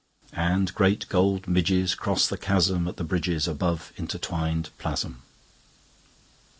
And great gold midgesCross the chasmAt the bridgesAbove intertwined plasm.